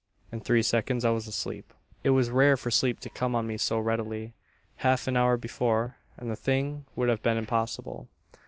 "In three seconds I was asleep. "It was rare for sleep to come on me so readily. Half an hour before, and the thing would have been impossible.